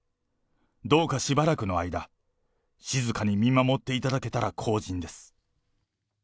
どうかしばらくの間、静かに見守っていただけたら幸甚です。